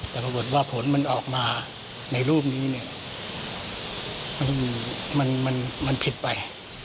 เพราะเหวินว่าผลมันออกมาในรูปนี้มันผิดไป